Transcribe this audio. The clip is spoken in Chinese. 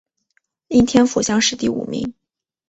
应天府乡试第五名。